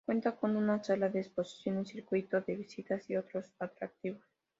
Cuenta con una sala de exposiciones, circuito de visitas y otros atractivos.